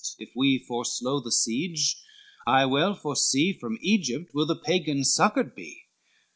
If we forslow the siege I well foresee From Egypt will the Pagans succored be."